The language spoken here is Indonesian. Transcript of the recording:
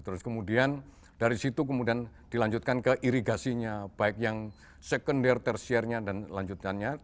terus kemudian dari situ kemudian dilanjutkan ke irigasinya baik yang secondaire tertiarnya dan lanjutannya